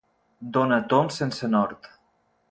Dona tombs sense nord.